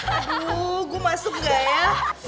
aduh gue masuk gak ya